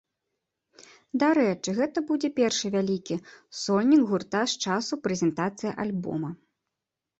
Дарэчы, гэта будзе першы вялікі сольнік гурта з часу прэзентацыі альбома.